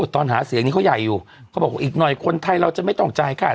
ตอนหาเสียงนี้เขาใหญ่อยู่เขาบอกอีกหน่อยคนไทยเราจะไม่ต้องจ่ายค่า